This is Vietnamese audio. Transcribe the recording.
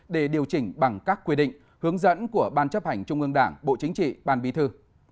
để điều chỉnh bằng các quy định hướng dẫn của ban chấp hành trung ương đảng bộ chính trị ban bí thư